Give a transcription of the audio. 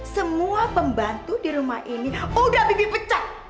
semua pembantu di rumah ini udah bikin pecah